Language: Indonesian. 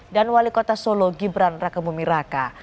dan wali kota solo gibran rakemumiraka